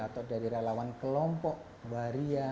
atau dari relawan kelompok waria